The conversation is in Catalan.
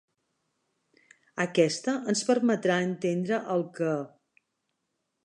Aquesta ens permetrà entendre el que.